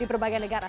di berbagai negara